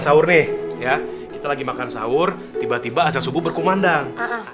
sahur nih ya kita lagi makan sahur tiba tiba asal subuh berkumandang